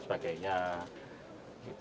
yang sudah mengambil